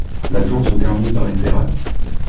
La tour se termine par une terrasse.